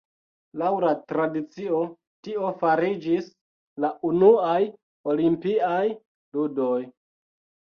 Laŭ la tradicio, tio fariĝis la unuaj olimpiaj ludoj.